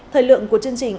thời lượng của chương trình